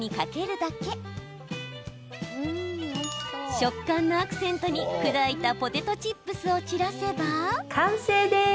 食感のアクセントに砕いたポテトチップスを散らせば。